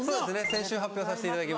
先週発表させていただきまして。